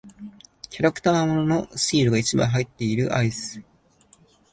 キャラクター物のシールが一枚入っているアイス。